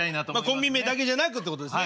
コンビ名だけじゃなくってことですね。